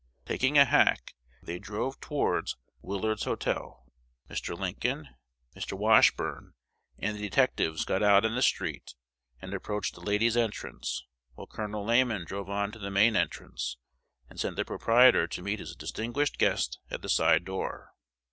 Taking a hack, they drove towards Willard's Hotel. Mr. Lincoln, Mr. Washburne, and the detectives got out in the street, and approached the ladies' entrance; while Col. Lamon drove on to the main entrance, and sent the proprietor to meet his distinguished guest at the side door.